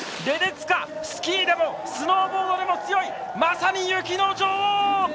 レデツカスキーでもスノーボードでも強いまさに雪の女王！